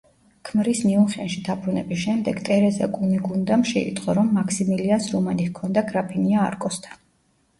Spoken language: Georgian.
ქმრის მიუნხენში დაბრუნების შემდეგ, ტერეზა კუნეგუნდამ შეიტყო, რომ მაქსიმილიანს რომანი ჰქონდა გრაფინია არკოსთან.